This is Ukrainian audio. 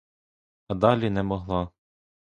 А далі не могла.